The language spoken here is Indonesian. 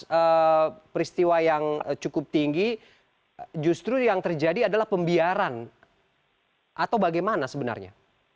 jadi kalau anda mengatakan bahwa peristiwa yang cukup tinggi justru yang terjadi adalah pembiaran atau bagaimana sebenarnya